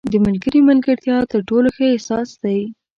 • د ملګري ملګرتیا تر ټولو ښه احساس دی.